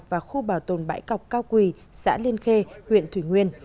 và khu bảo tồn bãi cọc cao quỳ xã liên khê huyện thủy nguyên